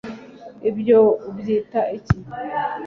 ibyo ubyita iki